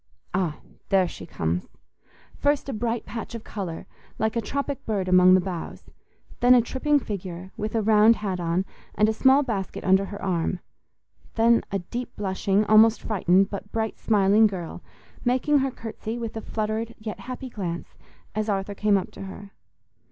Ah! There she comes. First a bright patch of colour, like a tropic bird among the boughs; then a tripping figure, with a round hat on, and a small basket under her arm; then a deep blushing, almost frightened, but bright smiling girl, making her curtsy with a fluttered yet happy glance, as Arthur came up to her.